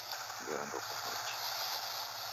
Ngera ndokumuichi